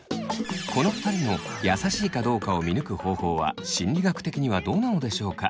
この２人の優しいかどうかを見抜く方法は心理学的にはどうなのでしょうか？